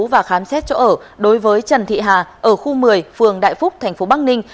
và khám xét chỗ ở đối với trần thị hà ở khu một mươi phường đại phúc thành phố bắc ninh